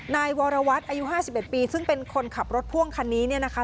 นายวรวัตรอายุ๕๑ปีซึ่งเป็นคนขับรถพ่วงคันนี้เนี่ยนะคะ